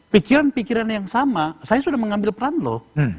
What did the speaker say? pikiran pikiran yang sama saya sudah mengambil peran loh